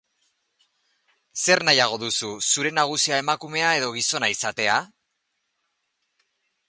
Zer nahiago duzu, zure nagusia emakumea edo gizona izatea?